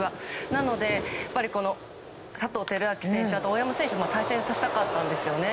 やっぱり、佐藤輝明選手や大山選手も対戦させたかったんですよね。